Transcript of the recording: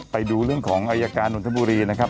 ไปดูเรื่องของอายการนทบุรีนะครับ